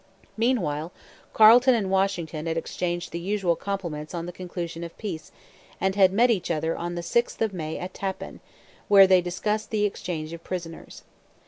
Meanwhile Carleton and Washington had exchanged the usual compliments on the conclusion of peace and had met each other on the 6th of May at Tappan, where they discussed the exchange of prisoners.